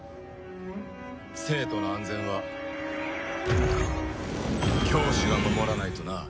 生徒の安全は教師が守らないとな。